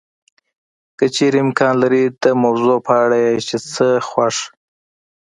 که چېرې امکان لري د موضوع په اړه یې چې څه خوښ